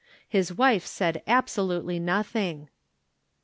His wife said absolutely nothing.